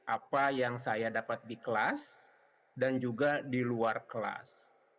apa yang saya dapat di kelas dan juga di luar kelas